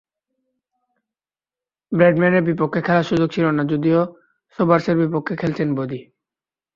ব্র্যাডম্যানের বিপক্ষে খেলার সুযোগ ছিল না, যদিও সোবার্সের বিপক্ষে খেলেছেন বেদি।